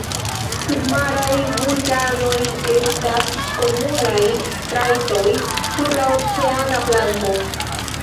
Submaraj vulkanoj estas komunaj trajtoj sur la oceana planko.